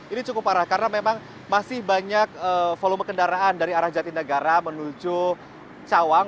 ini cukup parah karena memang masih banyak volume kendaraan dari arah jatinegara menuju cawang